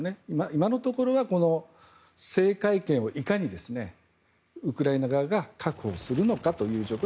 今のところはこの制海権をいかにウクライナ側が確保するのかという状況。